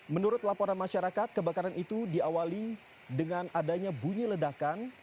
menurut laporan masyarakat kebakaran itu diawali dengan adanya bunyi ledakan